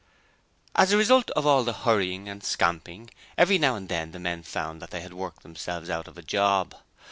As a result of all the hurrying and scamping, every now and again the men found that they had worked themselves out of a job.